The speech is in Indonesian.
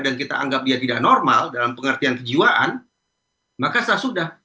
dan kita anggap dia tidak normal dalam pengertian kejiwaan maka sudah